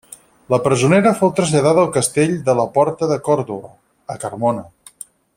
La presonera fou traslladada al castell de la porta de Còrdova, a Carmona.